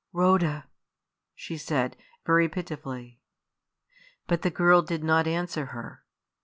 "Rhoda!" she said, very pitifully. But the girl did not answer her.